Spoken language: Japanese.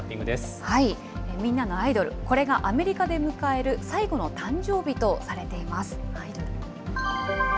みんなのアイドル、これがアメリカで迎える最後の誕生日とされています。